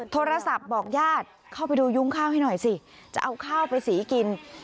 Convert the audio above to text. โทรศัพท์บอกญาติเข้าไปดูยุ้งข้าวให้หน่อยสิจะเอาข้าวไปสีกิน